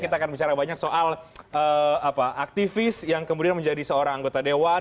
kita akan bicara banyak soal aktivis yang kemudian menjadi seorang anggota dewan